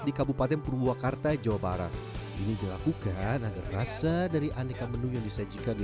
di kabupaten purwakarta jawa barat ini dilakukan agar rasa dari aneka menu yang disajikan di